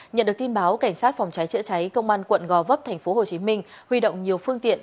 nhận được tin báo cảnh sát phòng cháy chữa cháy công an quận gò vấp tp hcm huy động nhiều phương tiện